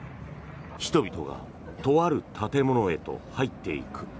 人々がとある建物へと入っていく。